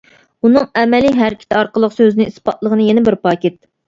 ئۇنىڭ ئەمەلىي ھەرىكىتى ئارقىلىق سۆزىنى ئىسپاتلىغىنى يەنە بىر پاكىت.